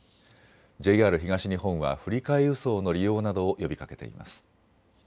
ＪＲ東日本は振り替え輸送の利用などを呼びかけています。